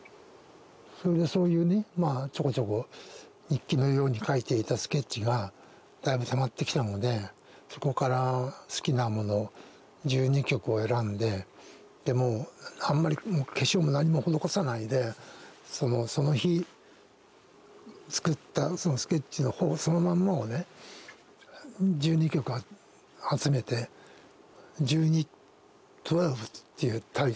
それでそういうねちょこちょこ日記のように書いていたスケッチがだいぶたまってきたのでそこから好きなもの１２曲を選んででもうあんまり化粧も何も施さないでその日作ったそのスケッチのほぼそのまんまをね１２曲集めて「１２」というタイトルで出す予定です。